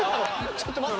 ちょっと待って。